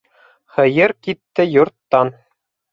Һыйыр китте йорттан.